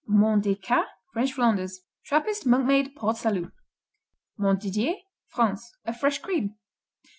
Mont des Cats French Flanders Trappist monk made Port Salut. Montdidier France A fresh cream.